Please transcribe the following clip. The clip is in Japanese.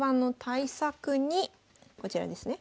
こちらですね。